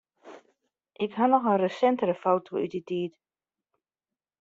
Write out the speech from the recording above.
Ik haw noch in resintere foto út dy tiid.